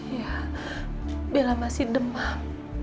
ya bella masih demam